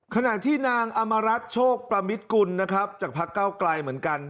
ขณะที่นางอมรัฐโชคประมิตกุลนะครับจากพักเก้าไกลเหมือนกัน